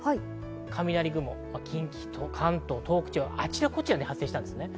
雷雲が近畿、関東、東北地方、あちらこちらで発生しました。